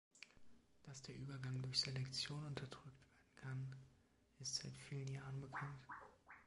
Dass der Übergang durch Selektion unterdrückt werden kann, ist seit vielen Jahren bekannt.